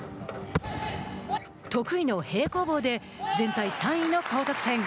得意の平行棒で全体３位の高得点。